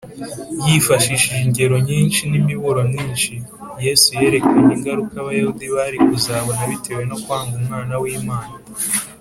yifashishije ingero nyinshi n’imiburo myinshi, yesu yerekanye ingaruka abayahudi bari kuzabona bitewe no kwanga umwana w’imana